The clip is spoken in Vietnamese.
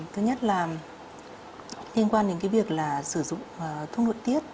thứ nhất là liên quan đến việc sử dụng thuốc nội tiết